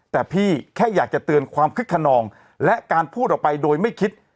แต่พี่แค่อยากจะเตือนความคึกขนองและการพูดออกไปโดยไม่คิด